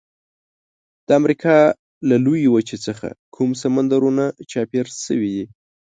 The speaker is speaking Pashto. د امریکا له لویې وچې څخه کوم سمندرونه چاپیر شوي دي؟